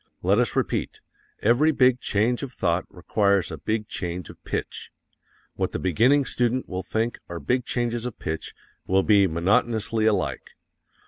Let us repeat, every big change of thought requires a big change of pitch. What the beginning student will think are big changes of pitch will be monotonously alike.